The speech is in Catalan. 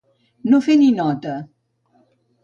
No fer ni nota.